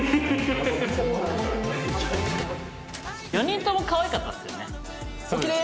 ４人ともかわいかったですよね。